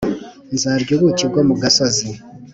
nzarya ubuki bwo mu gasozi